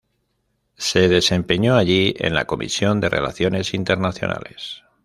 Se desempeñó allí en la Comisión de Relaciones Internacionales.